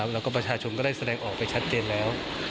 แล้วก็ประชาชนก็ได้แสดงออกไปชัดเจนแล้ว